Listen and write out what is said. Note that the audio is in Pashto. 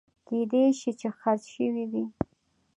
کېدای شي چې خرڅ شوي وي